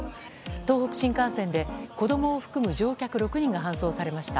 東北新幹線で子供を含む乗客６人が搬送されました。